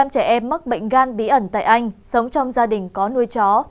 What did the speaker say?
bảy mươi trẻ em mắc bệnh gan bí ẩn tại anh sống trong gia đình có nuôi chó